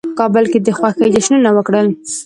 په کابل کې د خوښۍ جشنونه وکړل.